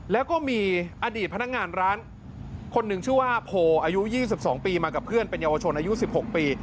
แล้วก็มีอดีตพนักงานร้านคนหนึ่งชื่อว่าโพอายุ๒๒ปีมากับเพื่อนเป็นเยาวชนอายุ๑๖ปี